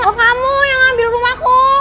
oh kamu yang ngambil rumahku